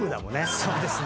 そうですね。